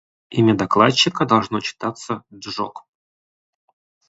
Имя докладчика должно читаться «Джокп».